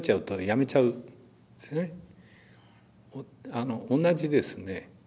あの同じですね。